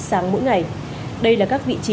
sáng mỗi ngày đây là các vị trí